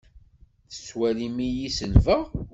Tettwalim-iyi selbeɣ?